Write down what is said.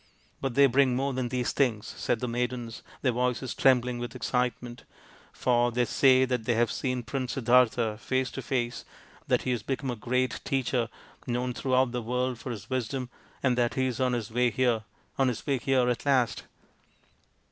" But they bring more than these things," said the maidens, their voices trembling with excitement, " for they say that they have seen Prince Siddartha face to face, THE PRINCE WONDERFUL 193 that he has become a great Teacher known through out the world for his wisdom, and that he is on his way here on his way here at last